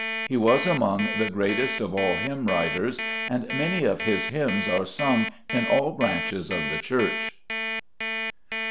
He was among the greatest of all hymn writers, and many of his hymns are sung in all branches of the Church.